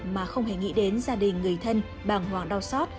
mà không hề nghĩ đến gia đình người thân bàng hoàng đau xót